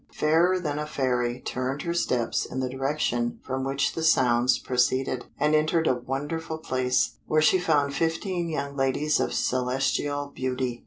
Fairer than a Fairy turned her steps in the direction from which the sounds proceeded, and entered a wonderful place, where she found fifteen young ladies of celestial beauty.